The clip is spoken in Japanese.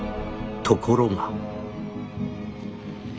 ところが」。